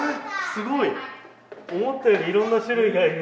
すごい！思ったよりいろんな種類がいる。